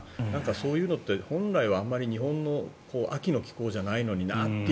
そういうのって本来は日本の秋の気候じゃないのになって。